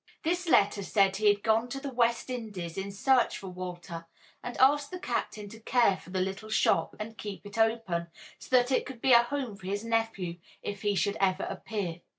This letter said he had gone to the West Indies to search for Walter, and asked the captain to care for the little shop and keep it open, so that it could be a home for his nephew if he should ever appear.